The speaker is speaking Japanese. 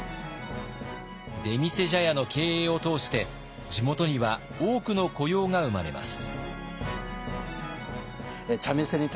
出店茶屋の経営を通して地元には多くの雇用が生まれます。